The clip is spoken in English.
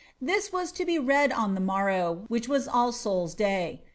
Thia was to be read <m the morrow, which was All Soola' diqr.